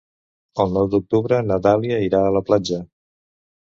El nou d'octubre na Dàlia irà a la platja.